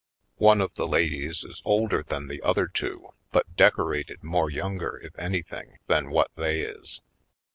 One of the ladies is older than the other two, but decorated more younger, if anything, than what they is.